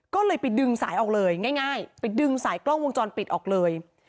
ก็เลยไปดึงสายออกเลยง่ายไปดึงสายกล้องวงจรปิดออกเลย